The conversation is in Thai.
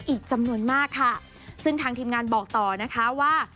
อีกจำนวนมากค่ะซึ่งทางทีมงานบอกต่อนะคะว่า